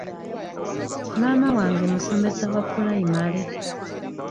Maama wange musomesa wa pulayimale.